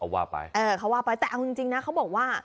ว่าไปเออเขาว่าไปแต่เอาจริงนะเขาบอกว่า